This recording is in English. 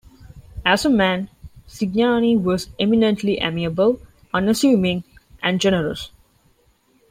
As a man Cignani was eminently amiable, unassuming and generous.